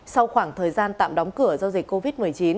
sau khoảng thời gian tạm đóng cửa do dịch covid một mươi chín